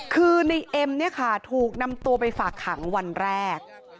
คือในเอ็มเนี่ยค่ะถูกนำตัวไปฝากขังวันแรก